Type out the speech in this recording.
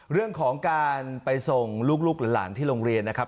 เรื่องของการไปส่งลูกหลานที่โรงเรียนนะครับ